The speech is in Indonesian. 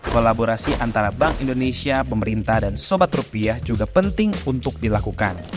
kolaborasi antara bank indonesia pemerintah dan sobat rupiah juga penting untuk dilakukan